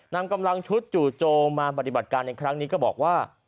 นำกำลังชุดจู่โจมมาปฏิบัติการในครั้งนี้ก็บอกว่า